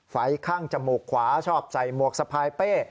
ข้างจมูกขวาชอบใส่หมวกสะพายเป้